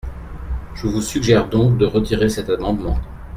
Je vous suggère donc de retirer cet amendement.